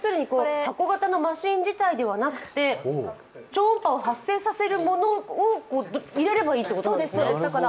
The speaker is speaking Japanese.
箱型のマシン自体ではなくて、超音波を発生させるものを入れればいいということですね。